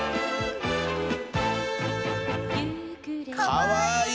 かわいい！